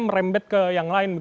merembet ke yang lain